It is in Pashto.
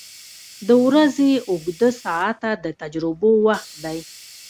• د ورځې اوږده ساعته د تجربو وخت دی.